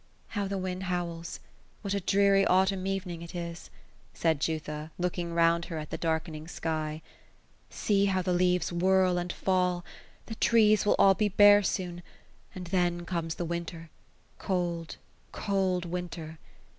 " How the wind howls 1 What a dreary autumn evening it is !" said Jutha, looking round her at the darkening sky. " See how the leaves whirl, and fall 1 The trees will all be bare soon ; and then comes winter cold, cold, winter.